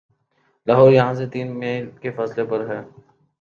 لاہور یہاں سے تین میل کے فاصلے پر ہے